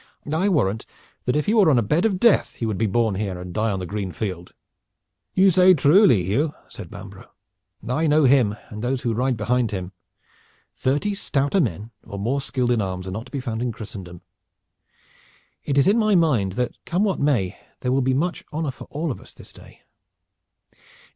I warrant that if he were on a bed of death he would be borne here and die on the green field." "You say truly, Hugh," said Bambro'. "I know him and those who ride behind him. Thirty stouter men or more skilled in arms are not to be found in Christendom. It is in my mind that come what may there will be much honor for all of us this day.